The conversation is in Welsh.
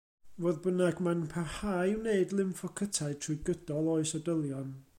Fodd bynnag, mae'n parhau i wneud lymffocytau trwy gydol oes oedolion.